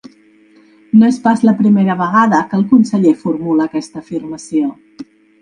No és pas la primera vegada que el conseller formula aquesta afirmació.